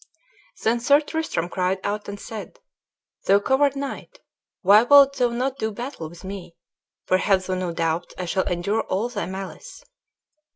Then Sir Tristram cried out and said, "Thou coward knight, why wilt thou not do battle with me? for have thou no doubt I shall endure all thy malice."